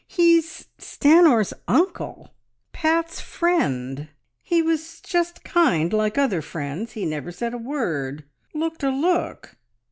He's Stanor's uncle ... Pat's friend he was just kind like other friends. ... He never said a word ... looked a look."